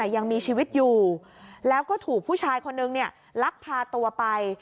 ยังมีชีวิตอยู่แล้วก็ถูกผู้ชายคนนึงลักพาตัวไป